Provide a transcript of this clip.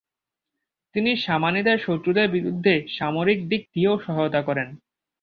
তিনি সামানিদের শত্রুদের বিরুদ্ধে সামরিকদিক দিয়েও সহায়তা করেন।